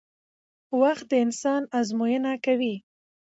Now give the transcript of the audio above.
وخت د انسان ازموینه کوي